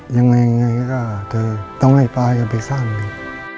ยังไงก็เธอต้องให้ปลายกันไปสร้างเลย